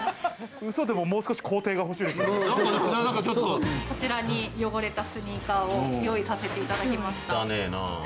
ウソでも、もう少し工程が欲こちらに汚れたスニーカーを用意させていただきました。